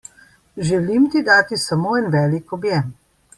Želim ti dati samo en veliko objem!